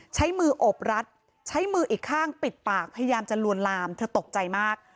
ใช้มืออบรัดใช้มืออีกข้างปิดปากพยายามจะลวนลามเธอตกใจมาก